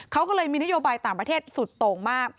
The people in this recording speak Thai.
เขาก็เลยมีนโยบายต่างประเทศสุดโต่งมาก